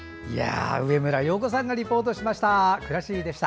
上村陽子さんがリポートしました。